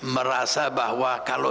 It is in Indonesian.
merasa bahwa kalau